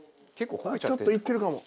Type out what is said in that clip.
ちょっといってるかも。